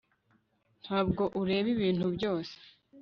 ntabwo ureba ibintu byose